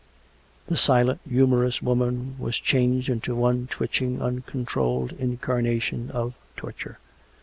The silent, humorous woman was changed into one twitching, uncontrolled incarnation of torture.